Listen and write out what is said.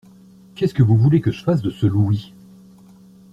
Qu’est-ce que vous voulez que je fasse de ce louis ?